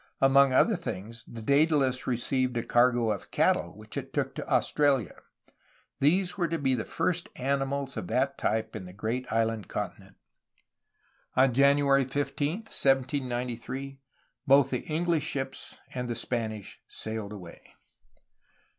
Among other things, the Daedalus received a cargo of cattle which it took to Austra lia; these were to be the first animals of that type in the great island continent. On January 15, 1793, both the EngUsh ships and the Spanish sailed away.